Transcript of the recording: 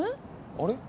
あれ？